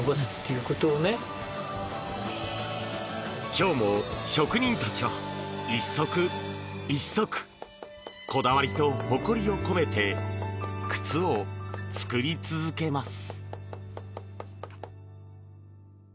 今日も職人たちは１足１足こだわりと誇りを込めて靴を作り続けます。